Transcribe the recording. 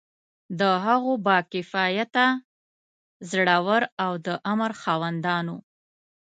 د هغو با کفایته، زړه ور او د امر خاوندانو.